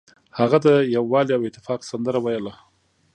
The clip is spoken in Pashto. هغه د یووالي او اتفاق سندره ویله.